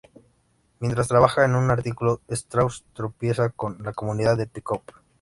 Mientras trabaja en un artículo, Strauss tropieza con la comunidad del Pick Up.